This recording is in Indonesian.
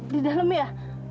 di dalam ya